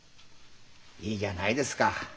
いいじゃないですか。